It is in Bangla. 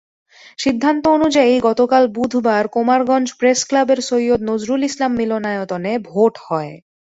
সিদ্ধান্ত অনুযায়ী, গতকাল বুধবার কোমারগঞ্জ প্রেসক্লাবের সৈয়দ নজরুল ইসলাম মিলনায়তনে ভোট হয়।